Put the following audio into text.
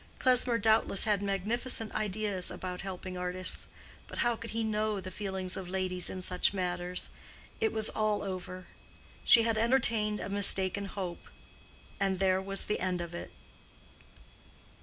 Klesmer doubtless had magnificent ideas about helping artists; but how could he know the feelings of ladies in such matters? It was all over: she had entertained a mistaken hope; and there was an end of it.